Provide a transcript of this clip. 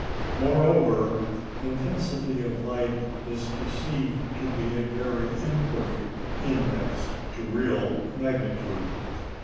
Moreover, intensity of light is perceived to be a very imperfect index to real magnitude.